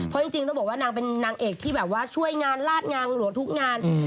เพราะจริงต้องบอกว่านางเป็นนางเอกที่แบบว่าช่วยงานลาดงานหลัวทุกงาน